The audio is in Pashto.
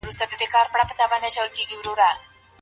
انسان په لوږه او ناروغۍ کي ژوند کولای سي.